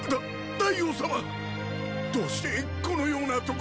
大王様どうしてこのような所にっ。